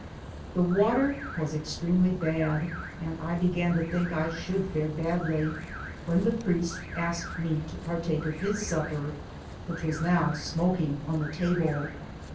The water was extremely bad, and I began to think I should fare badly, when the priest asked me to partake of his supper, which was now smoking on the table.